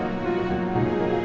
uya buka gerbang